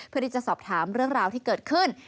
เพื่อที่จะสอบถามเรื่องราวที่เกิดขึ้น